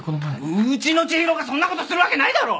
うっうちの知博がそんなことするわけないだろ！